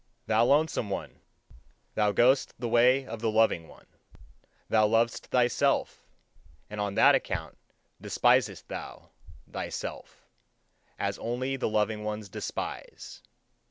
Thou lonesome one, thou goest the way of the loving one: thou lovest thyself, and on that account despisest thou thyself, as only the loving ones despise.